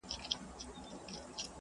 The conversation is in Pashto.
کېدای سي لاس ککړ وي!